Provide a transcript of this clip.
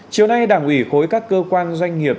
chiều nay đảng ủy khối các cơ quan doanh nghiệp